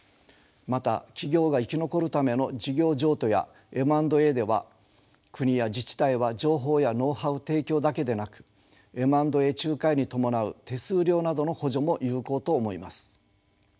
また企業が生き残るための事業譲渡やＭ＆Ａでは国や自治体は情報やノウハウ提供だけでなくＭ＆Ａ仲介に伴う手数料などの補助も有効と思います。